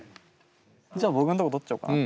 じゃあ僕のとこ録っちゃおうかな。